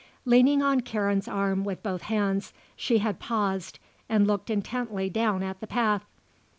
Leaning on Karen's arm with both hands she had paused and looked intently down at the path.